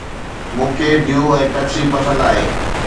مون کي Dew ۽ Pepsi پسند آهي.